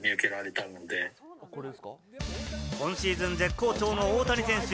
今シーズン絶好調の大谷選手。